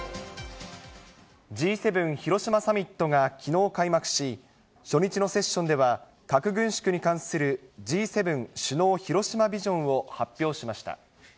Ｇ７広島サミットがきのう開幕し、初日のセッションでは、核軍縮に関するＧ７首脳広島ビジョンを発表しました。